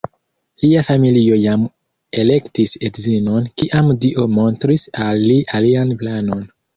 Lia familio jam elektis edzinon, kiam Dio montris al li alian planon.